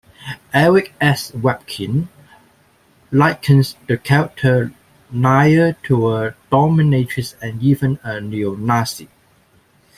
Eric S. Rabkin likens the character Nyah to a dominatrix and even a neo-nazi.